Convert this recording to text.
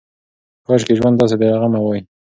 کاشکې ژوند داسې بې له غمه وای.